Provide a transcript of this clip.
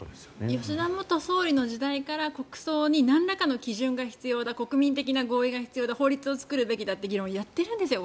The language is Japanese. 吉田元総理の時代とか国葬になんらかの基準が必要だ国民的な合意が必要だ法律を作る必要があるという議論をやっているんですよ